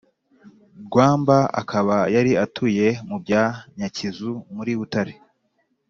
rwamba akaba yari atuye mu bya nyakizu muri butare